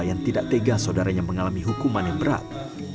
yang tidak tega saudaranya mengalami hukuman yang berat